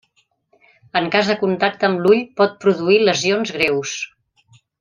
En cas de contacte amb l'ull, pot produir lesions greus.